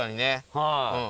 はい。